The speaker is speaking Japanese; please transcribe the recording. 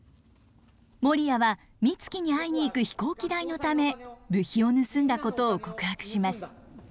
モリヤはミツキに会いに行く飛行機代のため部費を盗んだことを告白します。